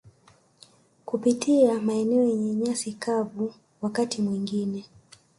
kupitia maeneo yenye nyasi kavu wakati mwingine